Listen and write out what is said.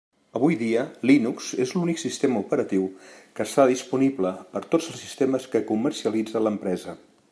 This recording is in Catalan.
Avui dia, Linux és l'únic sistema operatiu que està disponible per a tots els sistemes que comercialitza l'empresa.